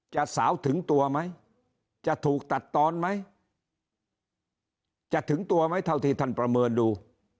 สาวถึงตัวไหมจะถูกตัดตอนไหมจะถึงตัวไหมเท่าที่ท่านประเมินดู